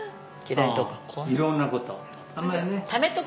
いろんなこと。